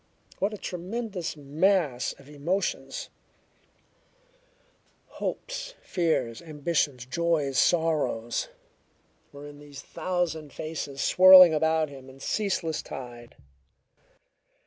What a tremendous mass of emotions hopes, fears, ambitions, joys, sorrows were in these thousand faces swirling about him in ceaseless tide!